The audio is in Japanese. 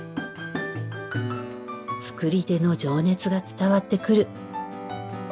作り手の情熱が伝わってくる。